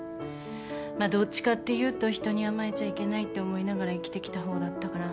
まあどっちかっていうと人に甘えちゃいけないって思いながら生きてきた方だったから。